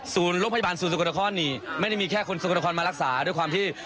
ศูนย์โรงพยาบาลศูนย์สุขธคลนี่ไม่ได้มีแค่คนสุขธคลนมารักษาด้วยความที่